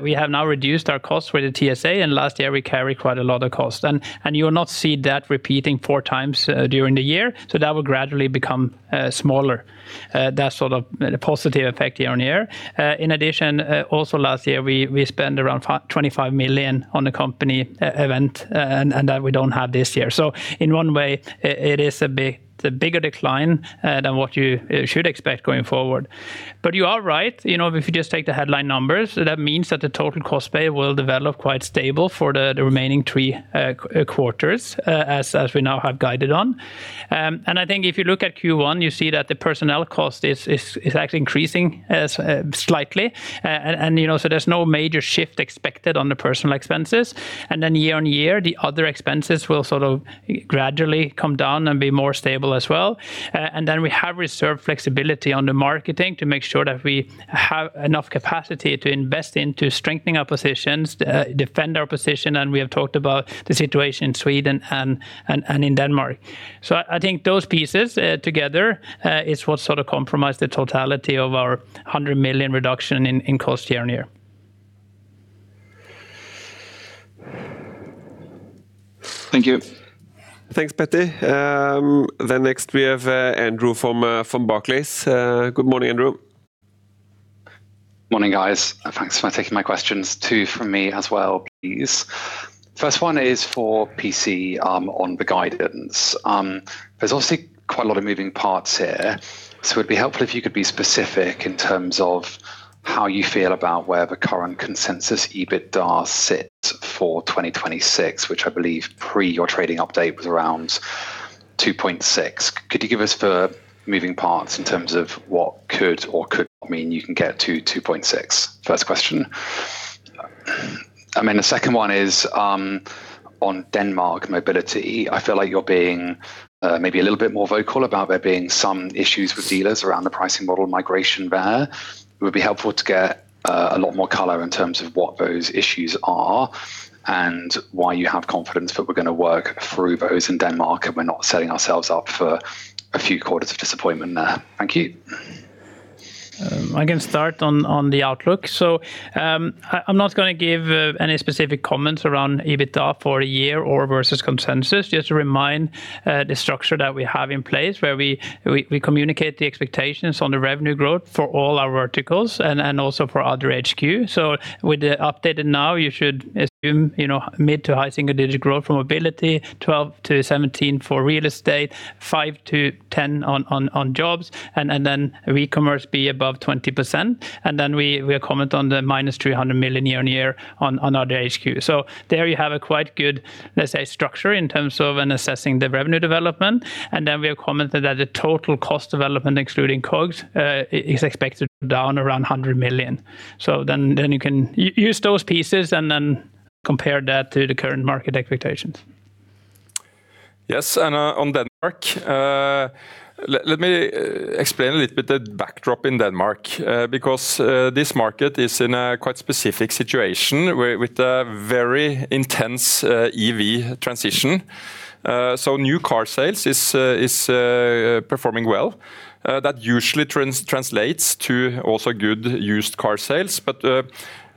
we have now reduced our costs with the TSA, and last year we carried quite a lot of cost. You will not see that repeating four times during the year, so that will gradually become smaller. That's sort of a positive effect year-on-year. In addition, also last year, we spent around 25 million on the company event, and that we don't have this year. In one way, it is a bigger decline than what you should expect going forward. You are right. You know, if you just take the headline numbers, that means that the total cost pay will develop quite stable for the remaining three quarters, as we now have guided on. I think if you look at Q1, you see that the personnel cost is actually increasing, so, slightly. You know, there's no major shift expected on the personal expenses. Year on year, the other expenses will sort of gradually come down and be more stable as well. We have reserved flexibility on the marketing to make sure that we have enough capacity to invest into strengthening our positions, defend our position, and we have talked about the situation in Sweden and in Denmark. I think those pieces together is what sort of comprise the totality of our 100 million reduction in cost year-on-year. Thank you. Thanks, Petter. Next we have Andrew from Barclays. Good morning, Andrew. Morning, guys. Thanks for taking my questions. Two from me as well, please. First one is for PC on the guidance. There's obviously quite a lot of moving parts here, so it'd be helpful if you could be specific in terms of how you feel about where the current consensus EBITDA sits for 2026, which I believe pre your trading update was around 2.6. Could you give us the moving parts in terms of what could or could not mean you can get to 2.6? First question. I mean, the second one is on Denmark Mobility. I feel like you're being maybe a little bit more vocal about there being some issues with dealers around the pricing model migration there. It would be helpful to get a lot more color in terms of what those issues are and why you have confidence that we're gonna work through those in Denmark, and we're not setting ourselves up for a few quarters of disappointment there. Thank you. I can start on the outlook. I am not going to give any specific comments around EBITDA for a year or versus consensus. Just to remind, the structure that we have in place where we communicate the expectations on the revenue growth for all our verticals and also for Other HQ. With the updated now, you should assume, you know, mid-to-high single-digit growth for Mobility, 12%-17% for Real Estate, 5%-10% on Jobs, and then e-commerce be above 20%. We comment on the -300 million year-on-year on Other HQ. There you have a quite good, let's say, structure in terms of in assessing the revenue development. Then we have commented that the total cost development excluding COGS is expected to be down around 100 million. Then you can use those pieces and then compare that to the current market expectations. Yes, on Denmark, let me explain a little bit the backdrop in Denmark. Because this market is in a quite specific situation where with a very intense EV transition. New car sales is performing well. That usually translates to also good used car sales.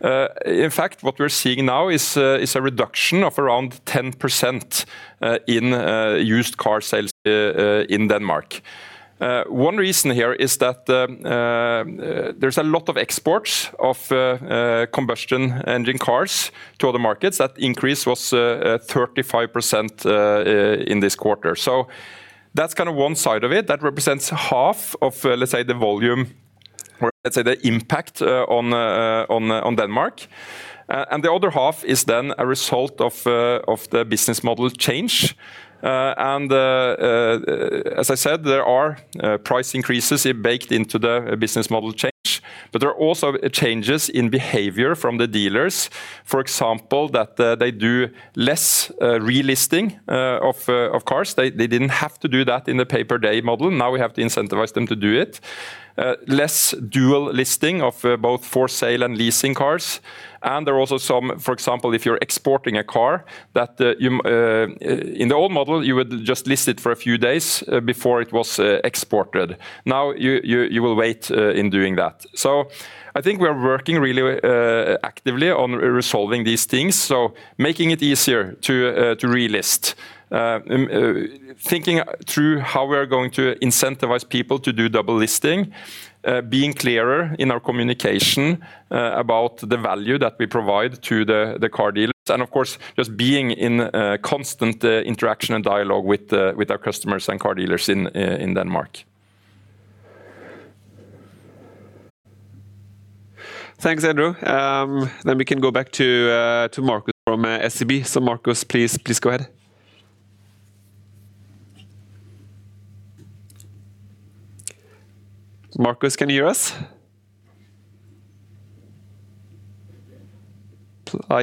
In fact, what we're seeing now is a reduction of around 10% in used car sales in Denmark. One reason here is that there's a lot of exports of combustion engine cars to other markets. That increase was 35% in this quarter. That's kind of one side of it. That represents half of, let's say, the volume or let's say the impact on Denmark. The other half is then a result of the business model change. As I said, there are price increases baked into the business model change, but there are also changes in behavior from the dealers. For example, that they do less relisting of cars. They didn't have to do that in the pay per day model. Now we have to incentivize them to do it. Less dual listing of both for sale and leasing cars. There are also some, for example, if you're exporting a car that you in the old model, you would just list it for a few days before it was exported. Now you will wait in doing that. I think we are working really actively on resolving these things, making it easier to relist. Thinking through how we are going to incentivize people to do double listing, being clearer in our communication about the value that we provide to the car dealers, and of course, just being in constant interaction and dialogue with our customers and car dealers in Denmark. Thanks, Andrew. We can go back to Markus from SEB. Markus, please go ahead. Markus, can you hear us?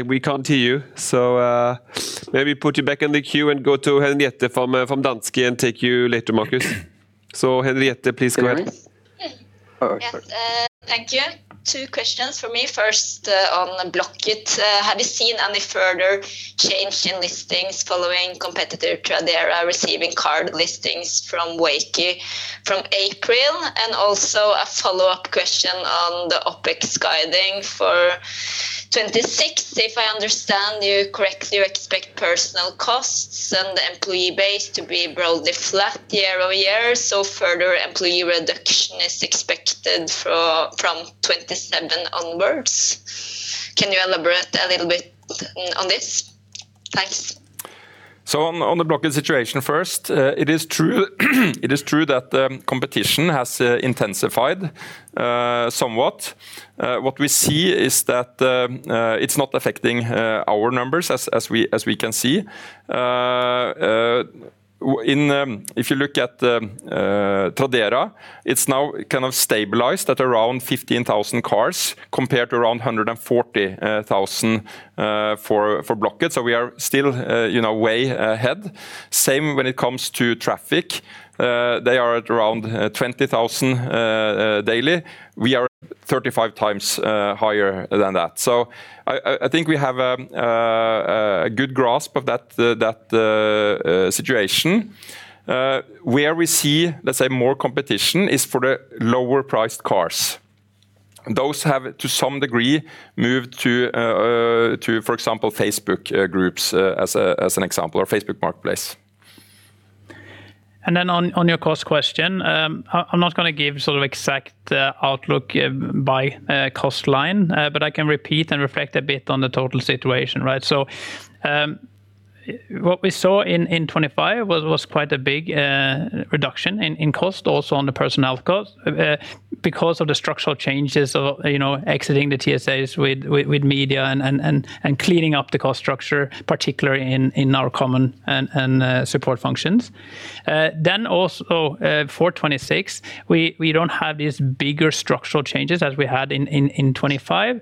We can't hear you, maybe put you back in the queue and go to Henriette from Danske Bank and take you later, Markus. Henriette, please go ahead. Sorry. Yes. Thank you. Two questions for me. First, on Blocket. Have you seen any further change in listings following competitor Tradera receiving car listings from Wayke from April? Also, a follow-up question on the OpEx guiding for 2026. If I understand you correctly, you expect personal costs and the employee base to be broadly flat year-over-year, so further employee reduction is expected from 2027 onwards. Can you elaborate a little bit on this? Thanks. On the Blocket situation first, it is true that competition has intensified somewhat. What we see is that it's not affecting our numbers as we can see. If you look at the Tradera, it's now kind of stabilized at around 15,000 cars compared to around 140,000 for Blocket. We are still, you know, way ahead. Same when it comes to traffic. They are at around 20,000 daily. We are 35 times higher than that. I think we have a good grasp of that situation. Where we see, let's say, more competition is for the lower priced cars. Those have, to some degree, moved to for example, Facebook groups as an example or Facebook Marketplace. On your cost question, I'm not gonna give sort of exact outlook by cost line. I can repeat and reflect a bit on the total situation, right? What we saw in 2025 was quite a big reduction in cost also on the personnel cost because of the structural changes or, you know, exiting the TSAs with media and cleaning up the cost structure, particularly in our common and support functions. Also, for 2026 we don't have these bigger structural changes as we had in 2025.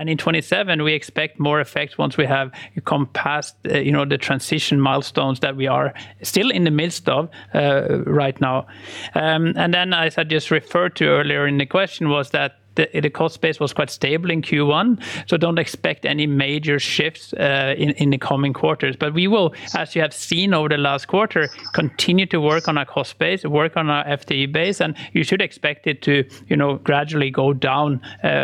In 2027 we expect more effect once we have come past, you know, the transition milestones that we are still in the midst of right now. Then as I just referred to earlier in the question was that the cost base was quite stable in Q1, so don't expect any major shifts in the coming quarters. We will, as you have seen over the last quarter, continue to work on our cost base, work on our FTE base, and you should expect it to, you know, gradually go down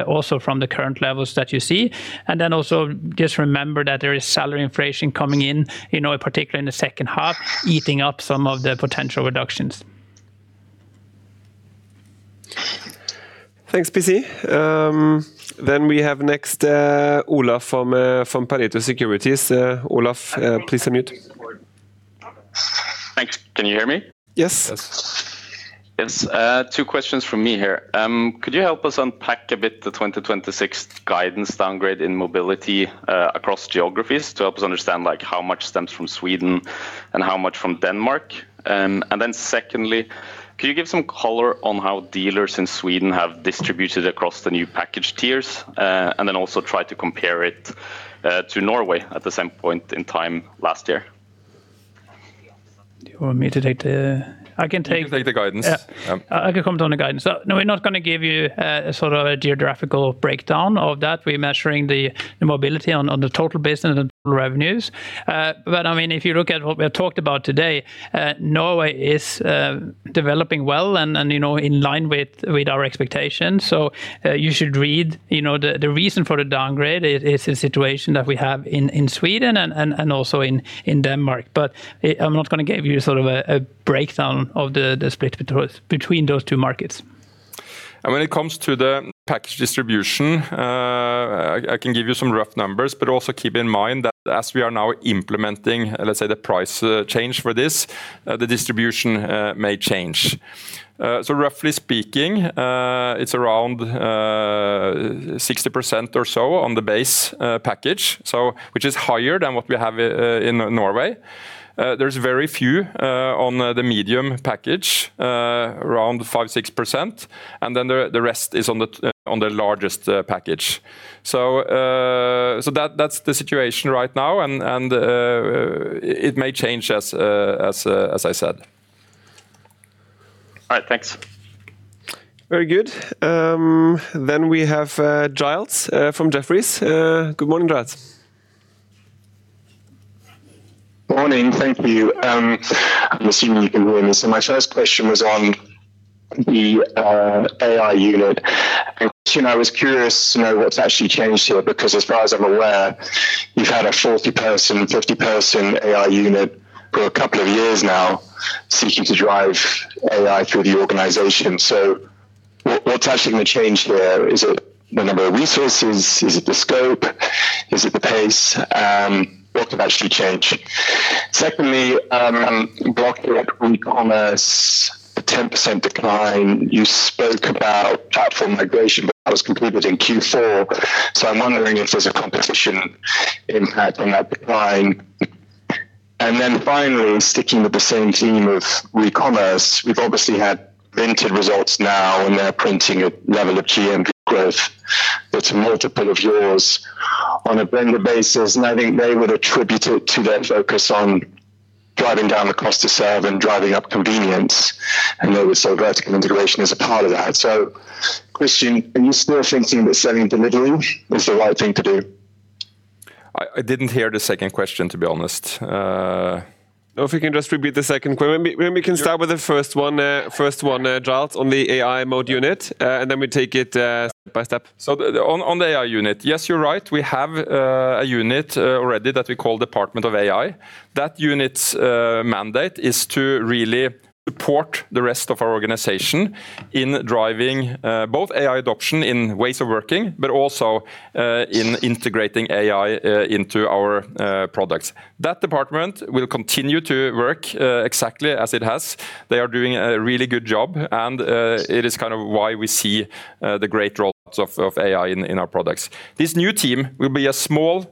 also from the current levels that you see. Then also just remember that there is salary inflation coming in, you know, particularly in the second half, eating up some of the potential reductions. Thanks, PC. We have next Olav from Pareto Securities. Olav, please unmute. Thanks. Can you hear me? Yes. Yes. Two questions from me here. Could you help us unpack a bit the 2026 guidance downgrade in Mobility, across geographies to help us understand, like, how much stems from Sweden and how much from Denmark? Secondly, can you give some color on how dealers in Sweden have distributed across the new package tiers, and then also try to compare it to Norway at the same point in time last year? Do you want me to take the. I can take. You can take the guidance. Yeah. Yeah. I can comment on the guidance. We're not gonna give you sort of a geographical breakdown of that. We're measuring the Mobility on the total business and total revenues. I mean, if you look at what we have talked about today, Norway is developing well and, you know, in line with our expectations. You should read, you know, the reason for the downgrade is the situation that we have in Sweden and also in Denmark. I'm not gonna give you sort of a breakdown of the split between those two markets. When it comes to the package distribution, I can give you some rough numbers, but also keep in mind that as we are now implementing, let's say, the price change for this, the distribution may change. Roughly speaking, it's around 60% or so on the base package, which is higher than what we have in Norway. There's very few on the medium package, around 5%, 6%, and then the rest is on the largest package. That's the situation right now, and it may change as I said. All right. Thanks. Very good. We have Giles from Jefferies. Good morning, Giles. Morning. Thank you. I'm assuming you can hear me. My first question was on the AI unit. Christian, I was curious to know what's actually changed here, because as far as I'm aware, you've had a 40-person, 50-person AI unit for a couple of years now seeking to drive AI through the organization. What's actually gonna change there? Is it the number of resources? Is it the scope? Is it the pace? What could actually change? Secondly, Blocket and Recommerce, the 10% decline, you spoke about platform migration, but that was completed in Q4. I'm wondering if there's a competition impact on that decline. Then finally, sticking with the same theme of Recommerce, we've obviously had Vinted results now, and they're printing a level of GMV growth that's a multiple of yours on a blended basis, and I think they would attribute it to their focus on driving down the cost to serve and driving up convenience, and they would say vertical integration is a part of that. Christian, are you still thinking that selling delivery was the right thing to do? I didn't hear the second question, to be honest. Maybe we can start with the first one, Giles, on the AI mode unit, and then we take it step by step. On the AI unit, yes, you're right. We have a unit already that we call Department of AI. That unit's mandate is to really support the rest of our organization in driving both AI adoption in ways of working, but also in integrating AI into our products. That department will continue to work exactly as it has. They are doing a really good job, and it is kind of why we see the great results of AI in our products. This new team will be a small,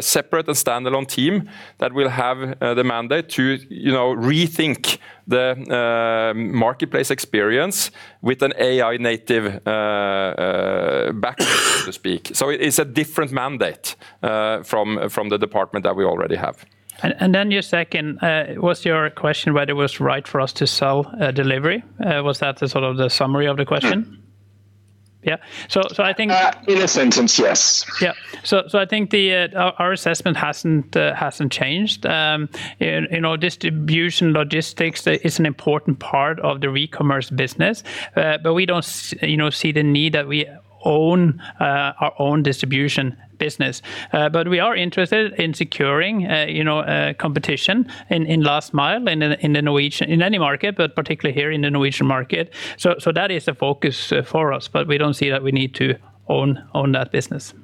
separate and standalone team that will have the mandate to, you know, rethink the marketplace experience with an AI native background, so to speak. It's a different mandate from the department that we already have. Then your second was your question whether it was right for us to sell delivery? Was that the sort of the summary of the question? Yeah. In a sentence, yes. Yeah. I think the, our assessment hasn't changed. You know, distribution logistics is an important part of the Recommerce business, but we don't you know, see the need that we own our own distribution business. But we are interested in securing, you know, competition in last mile in the Norwegian, in any market, but particularly here in the Norwegian market. That is a focus for us, but we don't see that we need to own that business.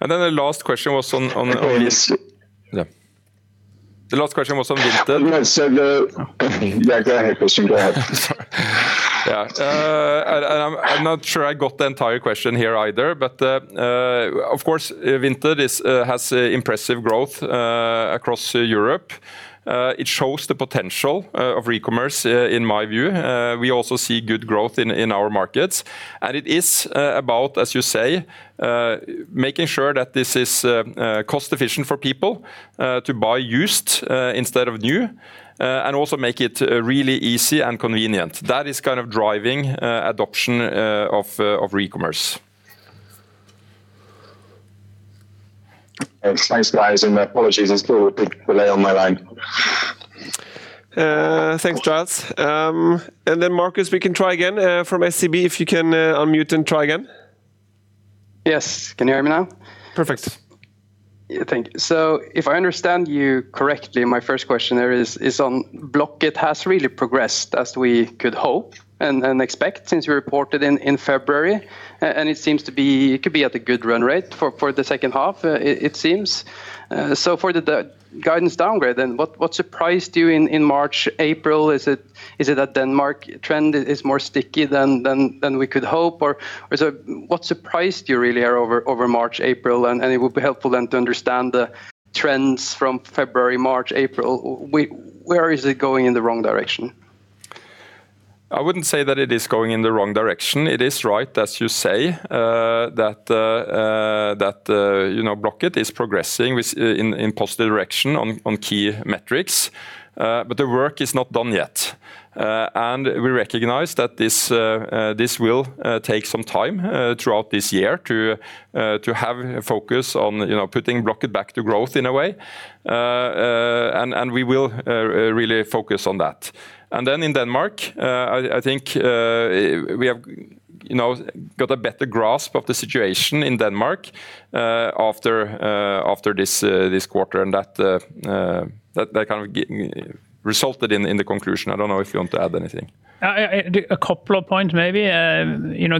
The last question was on. Apologies. Yeah. The last question was on Vinted. I'm not sure I got the entire question here either. Of course, Vinted has impressive growth across Europe. It shows the potential of Recommerce in my view. We also see good growth in our markets. It is about, as you say, making sure that this is cost efficient for people to buy used instead of new, and also make it really easy and convenient. That is kind of driving adoption of Recommerce. Thanks, guys, and my apologies there's still a big delay on my line. Thanks, Giles. Markus, we can try again, from SEB if you can, unmute and try again. Yes. Can you hear me now? Perfect. Yeah. Thank you. If I understand you correctly, my first question there is on Blocket has really progressed as we could hope and expect since you reported in February. And it could be at a good run rate for the second half, it seems. For the guidance downgrade then, what surprised you in March, April? Is it that Denmark trend is more sticky than we could hope? What surprised you really over March, April? It would be helpful then to understand the trends from February, March, April. Where is it going in the wrong direction? I wouldn't say that it is going in the wrong direction. It is right, as you say, that, you know, Blocket is progressing with in positive direction on key metrics. The work is not done yet. We recognize that this will take some time throughout this year to have a focus on, you know, putting Blocket back to growth in a way. We will really focus on that. Then in Denmark, I think, we have, you know, got a better grasp of the situation in Denmark, after this quarter and that kind of resulted in the conclusion. I don't know if you want to add anything. A couple of points maybe. You know,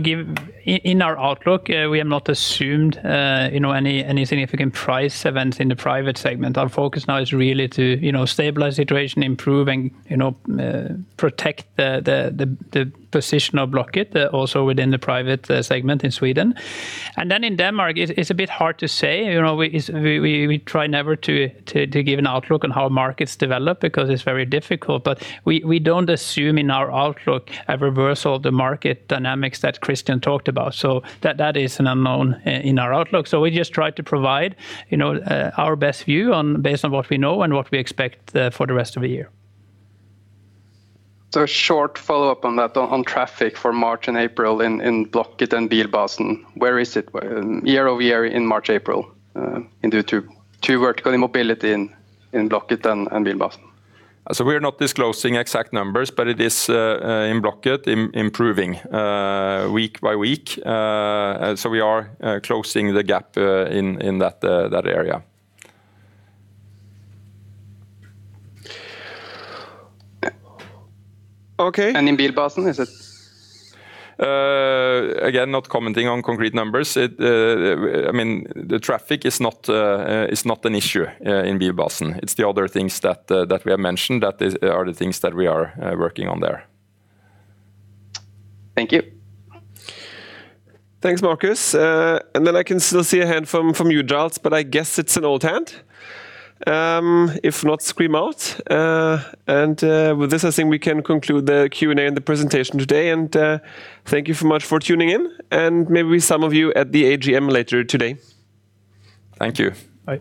in our outlook, we have not assumed, you know, any significant price events in the private segment. Our focus now is really to, you know, stabilize situation, improving, you know, protect the position of Blocket, also within the private segment in Sweden. In Denmark, it's a bit hard to say. You know, we try never to give an outlook on how markets develop because it's very difficult. We don't assume in our outlook a reversal of the market dynamics that Christian talked about. That is an unknown in our outlook. We just try to provide, you know, our best view on based on what we know and what we expect for the rest of the year. A short follow-up on that, on traffic for March and April in Blocket and Bilbasen, where is it year over year in March, April, in the two vertical Mobility in Blocket and Bilbasen? We're not disclosing exact numbers, but it is in Blocket improving week by week. We are closing the gap in that area. Okay. In Bilbasen, is it? Again, not commenting on concrete numbers. It, I mean, the traffic is not an issue in Bilbasen. It's the other things that we have mentioned that are the things that we are working on there. Thank you. Thanks, Markus. I can still see a hand from you, Giles, but I guess it's an old hand. If not, scream out. With this, I think we can conclude the Q&A and the presentation today. Thank you so much for tuning in and maybe some of you at the AGM later today. Thank you. Bye.